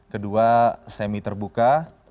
kedua semi terbuka